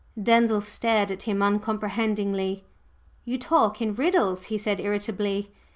Denzil stared at him uncomprehendingly. "You talk in riddles!" he said, irritably.